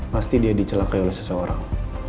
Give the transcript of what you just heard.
pasti dia dicelakai oleh seseorang